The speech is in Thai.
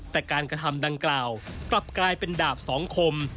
แต่การกระทำดังกล่าวกลับกลายเป็นดาบสองคม